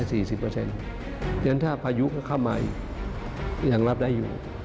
อย่างนั้นถ้าพายุเข้ามาอีกยังรับได้อยู่